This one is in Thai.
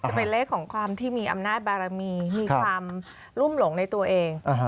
จะเป็นเลขของความที่มีอำนาจบารมีมีความรุ่มหลงในตัวเอง